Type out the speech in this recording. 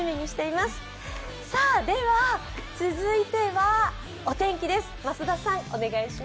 では、続いては、お天気です。